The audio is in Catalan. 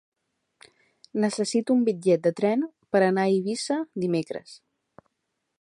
Necessito un bitllet de tren per anar a Eivissa dimecres.